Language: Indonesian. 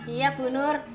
iya bu nur